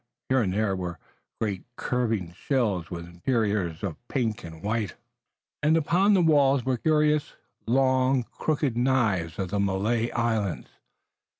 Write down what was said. Here and there were great curving shells with interiors of pink and white, and upon the walls were curious long, crooked knives of the Malay Islands.